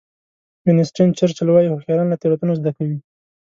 وینسټن چرچل وایي هوښیاران له تېروتنو زده کوي.